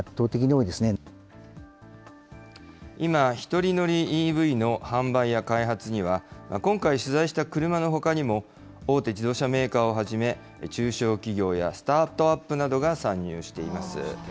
今、１人乗りＥＶの販売や開発には、今回取材した車のほかにも、大手自動車メーカーをはじめ、中小企業やスタートアップなどが参入しています。